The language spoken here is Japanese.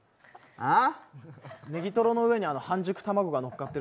ああ。